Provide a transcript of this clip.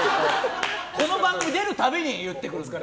この番組、出る度に言ってくるんですよ。